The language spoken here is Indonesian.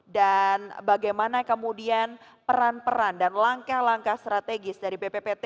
dan bagaimana kemudian peran peran dan langkah langkah strategis dari bppt